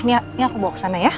ini aku bawa ke sana ya